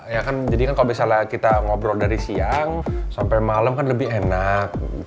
ya kan jadi kan kalau misalnya kita ngobrol dari siang sampai malam kan lebih enak